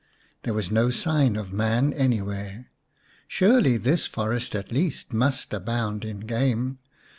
There was no sign of man any where ; surely this forest at least must abound in game.